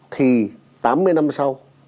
thì tám mươi năm sau